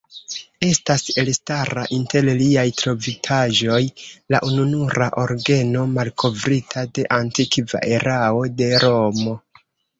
Estas elstara inter liaj trovitaĵoj la ununura orgeno malkovrita de antikva erao de Romo.